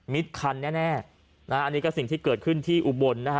คันแน่นะฮะอันนี้ก็สิ่งที่เกิดขึ้นที่อุบลนะฮะ